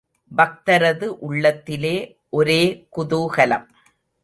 பக்தரது உள்ளத்திலே ஒரே குதூகலம்.